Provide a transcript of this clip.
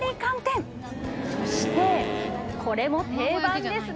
そしてこれも定番ですね。